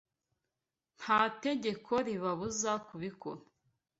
nta tegeko ribabuza kubikora